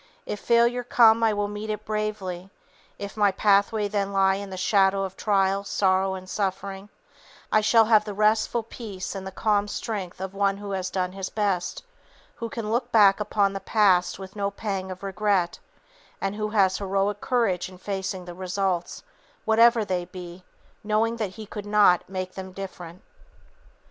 If failure come I will meet it bravely; if my pathway then lie in the shadow of trial, sorrow and suffering, I shall have the restful peace and the calm strength of one who has done his best, who can look back upon the past with no pang of regret, and who has heroic courage in facing the results, whatever they be, knowing that he could not make them different."